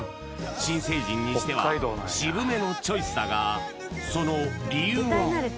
新成人にしては渋めのチョイスだがその理由は？